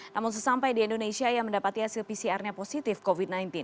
namun sesampai di indonesia ia mendapati hasil pcr nya positif covid sembilan belas